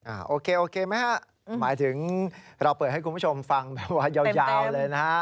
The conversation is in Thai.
โอเคโอเคไหมฮะหมายถึงเราเปิดให้คุณผู้ชมฟังแบบว่ายาวเลยนะฮะ